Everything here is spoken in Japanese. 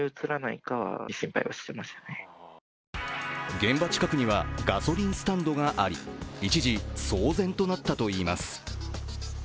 現場近くにはガソリンスタンドがあり、一時騒然となったといいます。